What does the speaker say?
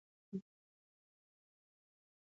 خدمت د لاسرسي د اصل پابند وي.